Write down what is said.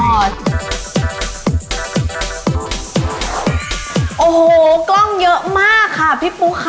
โอ้โหกล้องเยอะมากค่ะพี่ปุ๊กค่ะ